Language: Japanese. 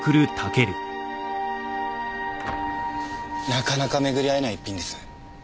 なかなか巡り合えない逸品です。